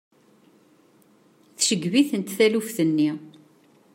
Tceggeb-itent taluft-nni.